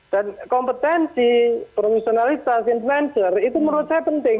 dan kompetensi profesionalitas influencer itu menurut saya penting